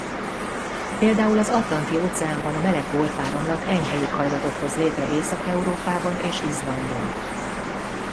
Például az Atlanti-óceánban a meleg Golf-áramlat enyhe éghajlatot hoz létre Észak-Európában és Izlandon.